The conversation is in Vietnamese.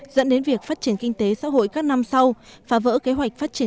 dẫn đến việc phát triển kinh tế xã hội các năm sau phá vỡ kế hoạch phát triển